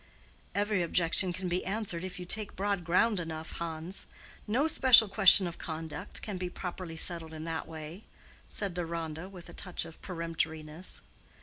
"Every objection can be answered if you take broad ground enough, Hans: no special question of conduct can be properly settled in that way," said Deronda, with a touch of peremptoriness.